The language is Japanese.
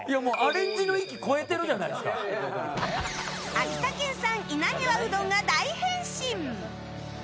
秋田県産稲庭うどんが大変身！